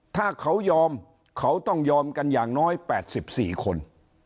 ถ้าเขายอมเขาต้องยอมกันอย่างน้อย๘๔คน